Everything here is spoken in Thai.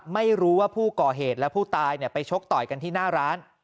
ไม่รู้ว่าผู้ก่อเหตุและผู้ตายไปชกต่อยกันที่หน้าร้าน